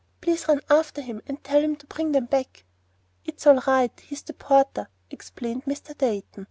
Please run after him and tell him to bring them back!" "It's all right; he's the porter," explained Mr. Dayton.